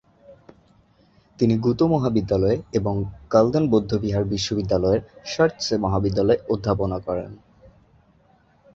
তিনি গ্যুতো মহাবিদ্যালয়ে এবং দ্গা'-ল্দান বৌদ্ধবিহার বিশ্ববিদ্যালয়ের শার-র্ত্সে মহাবিদ্যালয়ে অধ্যাপনা করেন।